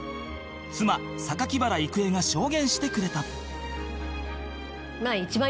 妻榊原郁恵が証言してくれた